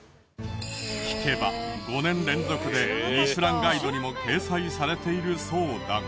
聞けば５年連続で『ミシュランガイド』にも掲載されているそうだが。